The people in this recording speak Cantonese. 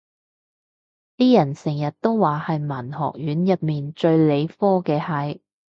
啲人成日都話係文學院入面最理科嘅系